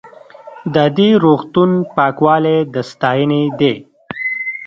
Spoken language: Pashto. د دې روغتون پاکوالی د ستاینې دی.